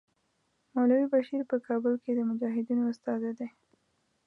مولوي بشیر په کابل کې د مجاهدینو استازی دی.